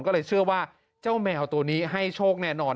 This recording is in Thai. ก็เลยเชื่อว่าเจ้าแมวตัวนี้ให้โชคแน่นอน